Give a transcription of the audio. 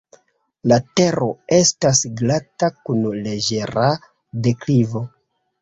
La tero estas glata kun leĝera deklivo.